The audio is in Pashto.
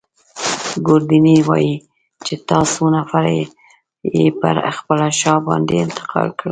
ګوردیني وايي چي تا څو نفره پر خپله شا باندې انتقال کړل.